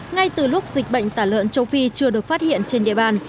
ngay từ lúc dịch bệnh tả lợn châu phi chưa được phát hiện trên địa bàn